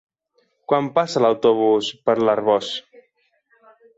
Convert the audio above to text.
Quan passa l'autobús per l'Arboç?